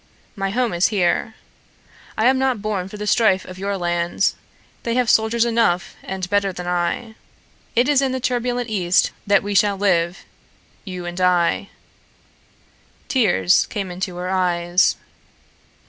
My home is here. I am not born for the strife of your land. They have soldiers enough and better than I. It is in the turbulent east that we shall live you and I." Tears came into her eyes.